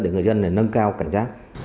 để người dân nâng cao cảnh giác